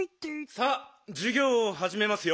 さあじゅぎょうをはじめますよ。